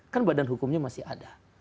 kan badan hukumnya masih ada